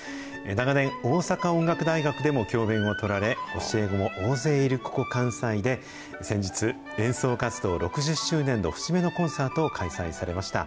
長年、大阪音楽大学でも教べんをとられ、教え子も大勢いるここ関西で、先日、演奏活動６０周年の節目のコンサートを開催されました。